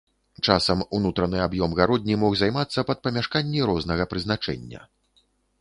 Часам унутраны аб'ём гародні мог займацца пад памяшканні рознага прызначэння.